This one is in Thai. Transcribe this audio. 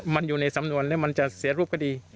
มันอยู่ในสำนวนแล้วมันจะเสียรูปคดี